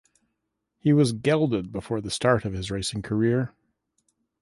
He was gelded before the start of his racing career.